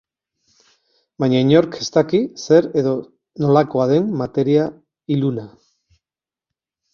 Baina inork ez daki zer edo nolakoa den materia iluna.